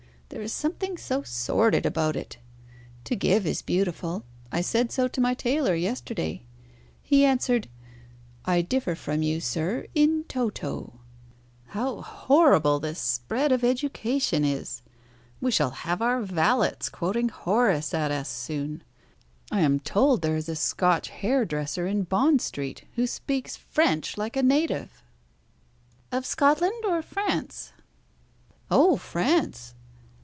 There is something so sordid about it. To give is beautiful. I said so to my tailor yesterday. He answered, 'I differ from you, sir, in toto.' How horrible this spread of education is! We shall have our valets quoting Horace at us soon. I am told there is a Scotch hairdresser in Bond Street who speaks French like a native." "Of Scotland or France?" "Oh! France."